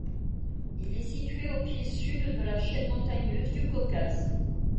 Il est situé au pied sud de la chaîne montagneuse du Caucase.